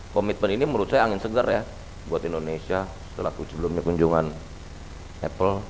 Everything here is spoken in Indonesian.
komitmen ini menurut saya angin segar ya buat indonesia selaku sebelumnya kunjungan apple